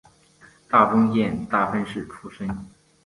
大分县大分市出身。